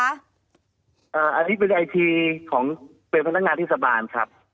อันนี้เป็นไอทีของเป็นพนักงานเทศบาลครับ